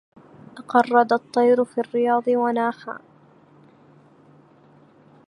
غرد الطير في الرياض وناحا